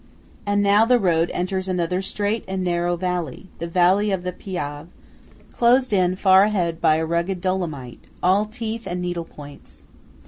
And now the road enters another straight and narrow valley–the valley of the Piave–closed in far ahead by a rugged Dolomite, all teeth and needle points.